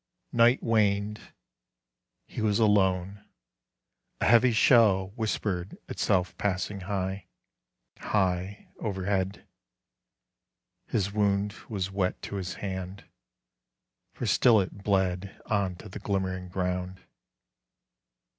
Night waned. He was alone. A heavy shell Whispered itself passing high, high overhead. His wound was wet to his hand: for still it bled On to the glimmering ground.